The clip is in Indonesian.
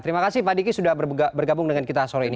terima kasih pak diki sudah bergabung dengan kita sore ini